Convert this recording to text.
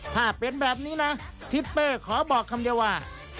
ถ้าเป็นแบบนี้นะทิศเป้ขอบอกคำเดียวว่า